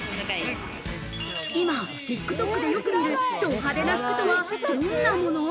今、ＴｉｋＴｏｋでよく見るド派手な服とはどんなもの？